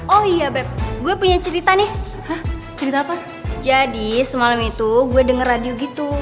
oh iya bep gue punya cerita nih cerita apa jadi semalam itu gue denger radio gitu